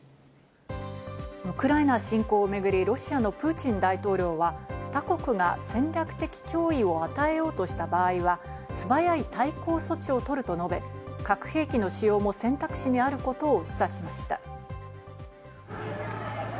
ウクライナ侵攻をめぐり、ロシアのプーチン大統領は他国が戦略的脅威を与えようとした場合は、素早い対抗措置をとると述べ、核兵器の使用も選択肢にあることを示唆しました。